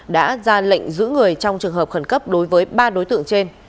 đã ra lệnh giữ người trong trường hợp khẩn cấp đối với ba đối tượng trên